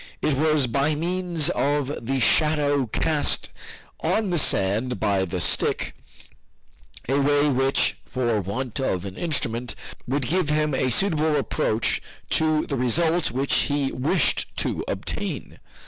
It was by means of the shadow cast on the sand by the stick, a way which, for want of an instrument, would give him a suitable approach to the result which he wished to obtain.